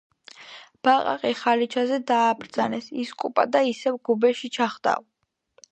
ბაყაყი ხალიჩაზე დააბრძანეს, ისკუპა და ისევ გუბეში ჩახტაო